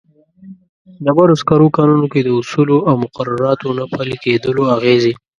ډبرو سکرو کانونو کې د اصولو او مقرراتو نه پلي کېدلو اغېزې.